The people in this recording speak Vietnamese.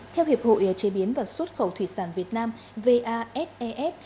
theo hiệp hội chế biến và xuất khẩu thủy sản việt nam vasef